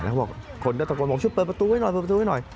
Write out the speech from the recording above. แล้วเขาบอกคนก็ตะโกนบอกช่วยเปิดประตูไว้หน่อย